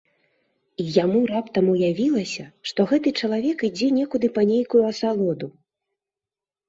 І яму раптам уявілася, што гэты чалавек ідзе некуды па нейкую асалоду.